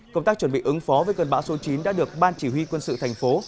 công tác chuẩn bị ứng phó với cơn bão số chín đã được ban chỉ huy quân sự thành phố